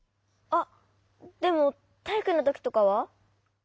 あっでもたいいくのときとかは？